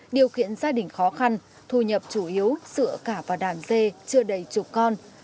điều kiện gia đình khó khăn thu nhập chủ yếu dựa cả vào đàn dê chưa đầy chục con